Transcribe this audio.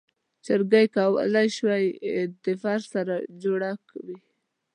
چوکۍ کولی شي له فرش سره جوړه وي.